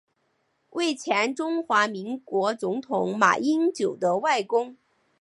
为前中华民国总统马英九的外公。